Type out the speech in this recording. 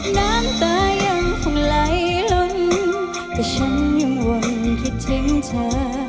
น้ำตายังคงไหลล้นแต่ฉันยังหวังคิดถึงเธอ